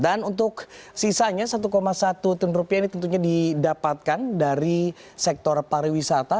dan untuk sisanya satu satu triliun rupiah ini tentunya didapatkan dari sektor pariwisata